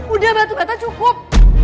udah batu bata cukup